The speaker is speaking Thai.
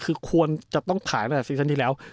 คือควรจะต้องถ่ายตั้งแต่ซีซั่นที่แล้ว